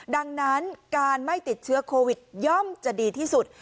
ดังนั้นการไม่ติดเชื้อโควิดย่อมจะดีที่สุด